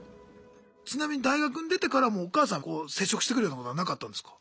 ちなみに大学に出てからもお母さん接触してくるようなことはなかったんですか？